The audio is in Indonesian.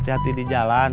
hati hati di jalan